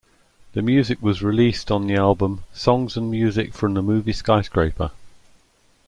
The music was released on the album "Songs and Music from the Movie Skyscraper".